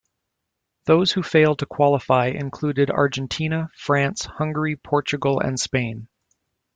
Those who failed to qualify included Argentina, France, Hungary, Portugal and Spain.